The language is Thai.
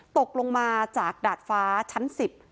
ตกลงมาจากดาดฟ้าชั้น๑๐